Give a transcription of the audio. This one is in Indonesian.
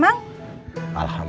buat ngiran tanaman ada mang